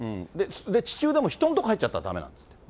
で、地中でも人のとこ入っちゃったらだめなんですよね。